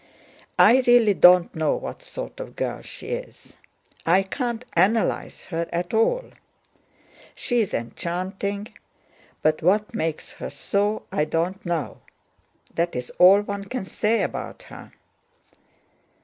"I really don't know what sort of girl she is; I can't analyze her at all. She is enchanting, but what makes her so I don't know. That is all one can say about her."